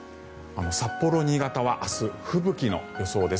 札幌、新潟は明日、吹雪の予想です。